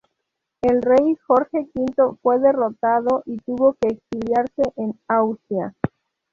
El rey Jorge V fue derrocado y tuvo que exiliarse en Austria.